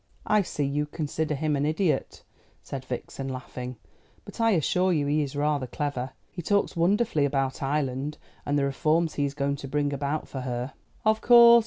"I see you consider him an idiot," said Vixen laughing. "But I assure you he is rather clever. He talks wonderfully about Ireland, and the reforms he is going to bring about for her." "Of course.